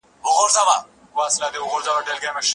هغه له انګریزانو سره ښې اړیکي لرلې.